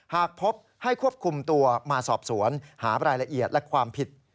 หากพบให้ควบคุมตัวมาสอบสวนหารายละเอียดและความผิด